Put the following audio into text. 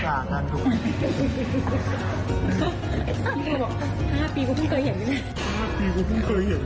พี่เขาบอกว่าค่ะ๕ปีก็เคยเห็นแล้วยังไง